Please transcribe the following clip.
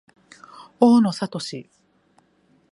大野智